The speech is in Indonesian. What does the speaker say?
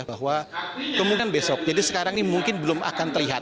bahwa kemudian besok jadi sekarang ini mungkin belum akan terlihat